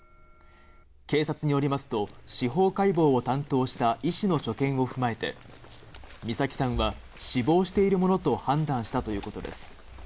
警察によりますと、司法解剖を担当した医師の所見を踏まえて美咲さんは死亡しているものと判断したということです。